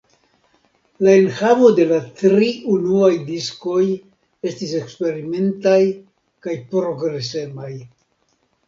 La enhavo de la tri unuaj diskoj estis eksperimentaj kaj progresemaj.